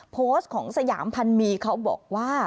โพสต์ของสยามพันมีเขาบอกว่า